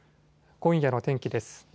今夜の天気です。